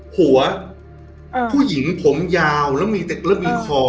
หัวผู้หญิงผมยาวแล้วมีเด็กแล้วมีคอ